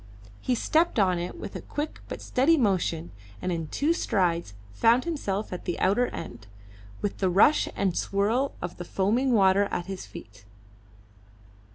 He stepped on it with a quick but steady motion, and in two strides found himself at the outer end, with the rush and swirl of the foaming water at his feet.